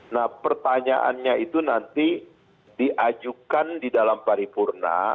nah pertanyaannya itu nanti diajukan di dalam paripurna